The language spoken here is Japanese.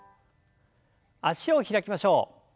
脚を開きましょう。